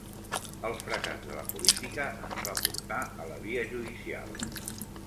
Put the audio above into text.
El fracàs de la política ens va portar a la via judicial.